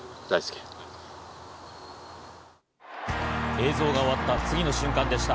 映像が終わった次の瞬間でした。